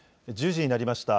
１０時になりました。